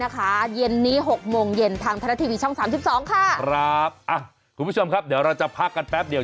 คุณผู้ชมครับเดี๋ยวเราจะพักกันแป๊บเดียว